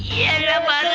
iya ya bang